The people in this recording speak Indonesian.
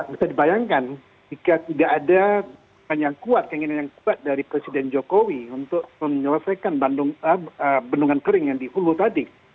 bisa dibayangkan jika tidak ada yang kuat keinginan yang kuat dari presiden jokowi untuk menyelesaikan bendungan kering yang di hulu tadi